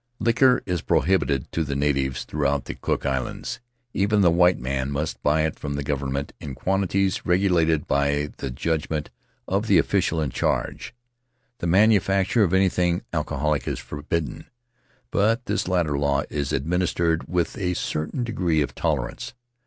Liquor is prohibited to the natives throughout the Cook Islands; even the white man must buy it from the government in quantities regulated by the judg ment of the official in charge. The manufacture of anything alcoholic is forbidden, but this latter law is administered with a certain degree of tolerance.